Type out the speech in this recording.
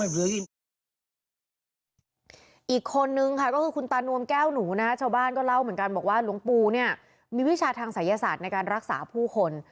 อีกคนนึงค่ะก็คือคุณตานวมแก้วหนูนะฮะชาวบ้านก็เล่าเหมือนกันบอกว่าหลวงปู่เนี่ยมีวิชาทางศัยศาสตร์ในการรักษาผู้คน